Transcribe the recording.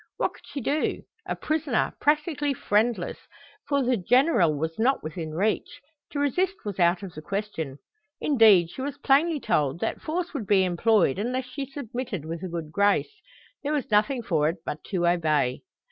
What could she do? A prisoner, practically friendless, for the General was not within reach, to resist was out of the question. Indeed, she was plainly told that force would be employed unless she submitted with a good grace. There was nothing for it but to obey.